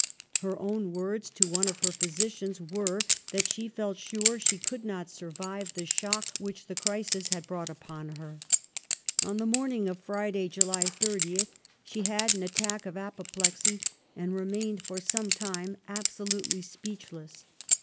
Her own words to one of her physicians were that she felt sure she could not survive the ■ A A 2 356 THE REIGN OF QUEEN ANNE. oh. xxxvin. shock which the crisis had brought upon her. On the morning of Friday, July 30, she had an attack of apoplexy and remained for some time absolutely speechless.